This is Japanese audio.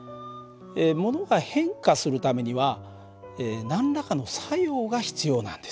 ものが変化するためには何らかの作用が必要なんです。